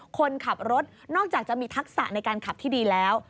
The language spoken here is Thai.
คนขับรถนอกจากจะมีทักษะในการขับที่ดีแล้ว